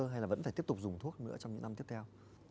hay là vẫn phải tiếp tục dùng thuốc nữa trong những năm tiếp theo